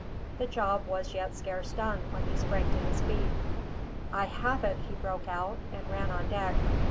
The job was yet scarce done, when he sprang to his feet. "I have it," he broke out, and ran on deck.